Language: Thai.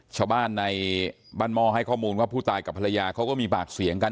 ชาวบ้านในบ้านหม้อให้ข้อมูลว่าผู้ตายกับภรรยาเขาก็มีปากเสียงกัน